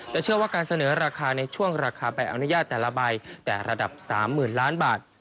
แต่เชื่อว่าการเสนอราคาในช่วงราคาใบอนุญาตแต่ละใบแต่ระดับ๓๐๐๐ล้านบาท